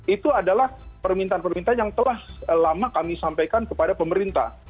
itu adalah permintaan permintaan yang telah lama kami sampaikan kepada pemerintah